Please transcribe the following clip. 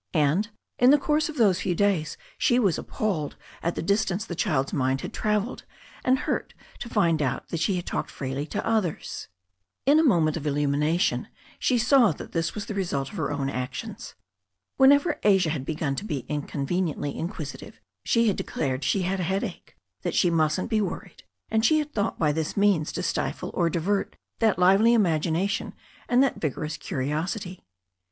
And in the course of those few days she was appalled at the distance the child's mind had travelled, and hurt to find out that she had talked freely to others. In a moment of illumination she saw that this was the result 128 THE STORY OF A NEW ZEALAND RIVER 129 of her own actions. Whenever Asia had begun to be incon veniently inquisitive, she had declared she had a headache, that she mustn't be worried, and she had thought by this means to stifle or divert that lively imagination and that vigorous curiosity.